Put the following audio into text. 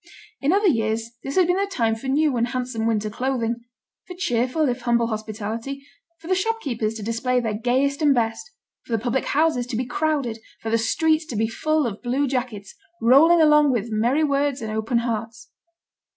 In other years this had been the time for new and handsome winter clothing; for cheerful if humble hospitality; for the shopkeepers to display their gayest and best; for the public houses to be crowded; for the streets to be full of blue jackets, rolling along with merry words and open hearts.